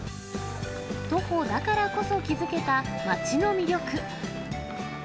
徒歩だからこそ気付けた街の魅力。